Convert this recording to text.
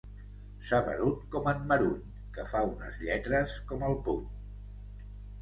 Saberut com en Maruny, que fa unes lletres com el puny.